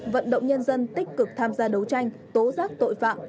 vận động nhân dân tích cực tham gia đấu tranh tố giác tội phạm